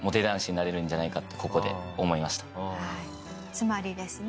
つまりですね